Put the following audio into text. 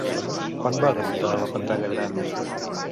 Quan va debutar a la pantalla gran?